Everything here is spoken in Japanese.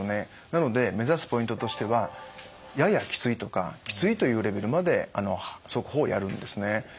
なので目指すポイントとしてはややきついとかきついというレベルまで速歩をやるんですね。